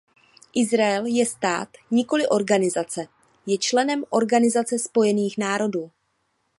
Izrael je stát, nikoli organizace, je členem Organizace spojených národů.